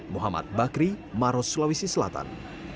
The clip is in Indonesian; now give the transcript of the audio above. muhammad bakri maros sulawesi selatan